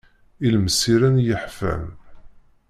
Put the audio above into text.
Ilemsiren i yeḥfan.